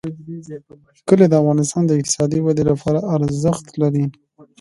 کلي د افغانستان د اقتصادي ودې لپاره ارزښت لري.